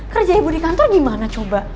kerja ibu di kantor gimana coba